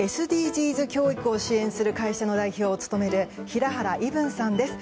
ＳＤＧｓ教育を支援する会社の代表を務める平原依文さんです。